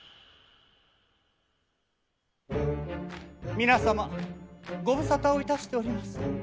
皆様ご無沙汰を致しております。